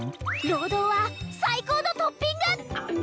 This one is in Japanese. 労働は最高のトッピング！